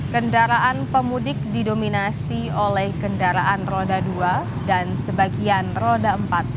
kendaraan pemudik didominasi oleh kendaraan roda dua dan sebagian roda empat